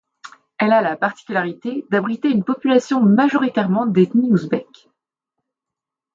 Elle a la particularité d'abriter une population majoritairement d'ethnie ouzbèke.